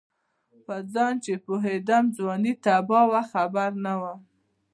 په ځان چې پوهېدم ځواني تباه وه خبر نه وم